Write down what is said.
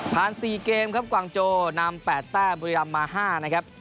๔เกมครับกวางโจนำ๘แต้มบุรีรำมา๕นะครับ